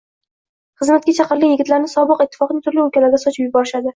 Xizmatga chaqirilgan yigitlarni sobiq Itttifoqning turli oʻlkalariga sochib yuborishdi.